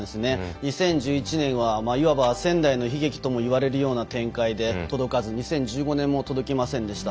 ２０１１年はいわば仙台の悲劇とも言われる展開で届かず、２０１５年も届きませんでした。